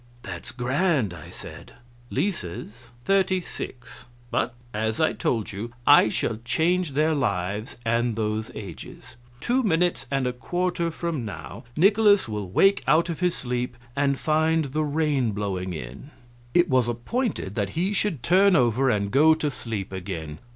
"That's grand!" I said. "Lisa's, thirty six. But, as I told you, I shall change their lives and those ages. Two minutes and a quarter from now Nikolaus will wake out of his sleep and find the rain blowing in. It was appointed that he should turn over and go to sleep again.